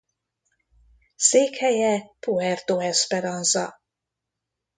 Székhelye Puerto Esperanza.